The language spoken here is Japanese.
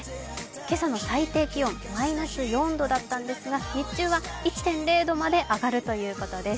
今朝の最低気温マイナス４度だったんですが、日中は１．０度まで上がるということです。